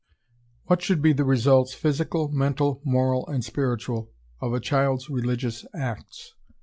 ] What should be the results, physical, mental, moral, and spiritual, of a child's religious acts?